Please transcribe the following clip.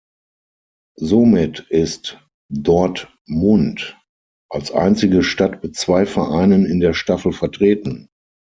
Somit ist Dortmund als einzige Stadt mit zwei Vereinen in der Staffel vertreten.